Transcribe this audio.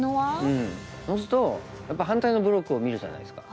そうするとやっぱり反対のブロックを見るじゃないですか。